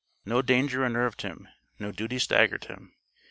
No danger unnerved him, no duty staggered him.